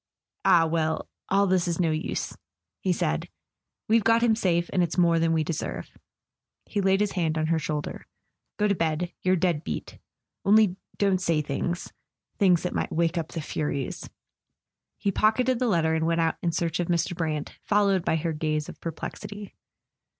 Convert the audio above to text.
"Ah, well, all this is no use," he said; "we've got him safe, and it's more than we deserve." He laid his hand on her shoulder. "Go to bed; you're dead beat. Only don't say things—things that might wake up the Furies. .." He pocketed the letter and w T ent out in search of Mr. Brant, followed by her gaze of perplexity.